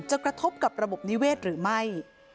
กระทบกับระบบนิเวศหรือไม่